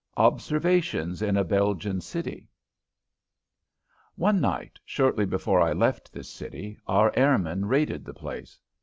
XV OBSERVATIONS IN A BELGIAN CITY One night, shortly before I left this city, our airmen raided the place.